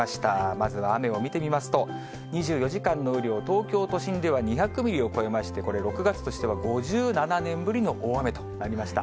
まずは雨を見てみますと、２４時間の雨量、東京都心では２００ミリを超えまして、これ、６月としては５７年ぶりの大雨となりました。